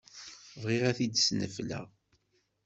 Bɣiɣ ad t-id-snefleɣ.